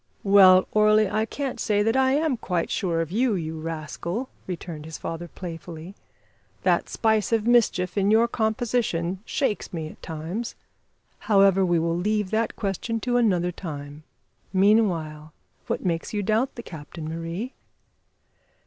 "Well, Orley, I can't say that I am quite sure of you, you rascal," returned his father playfully. "That spice of mischief in your composition shakes me at times. However, we will leave that question to another time. Meanwhile, what makes you doubt the captain, Marie?"